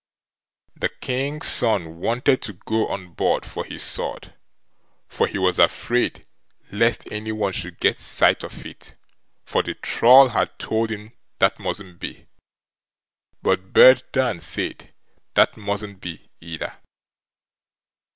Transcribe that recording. The King's son wanted to go on board for his sword, for he was afraid lest any one should get sight of it, for the Troll had told him that mustn't be; but Bird Dan said that mustn't be either.